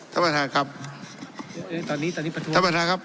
ท่านประธานครับตอนนี้ตอนนี้ประท้วงท่านประธานครับ